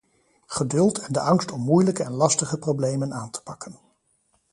Geduld en de angst om moeilijke en lastige problemen aan te pakken.